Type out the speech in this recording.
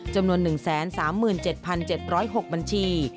จำนวน๑๓๗๗๐๖บัญชี